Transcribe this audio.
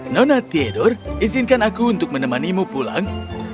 nona tiedor izinkan aku untuk menemanimu pulang